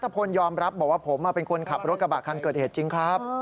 ผมเป็นคนขับรถกระบะคันเกิดเหตุจริงครับ